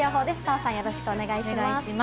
澤さん、よろしくお願いします。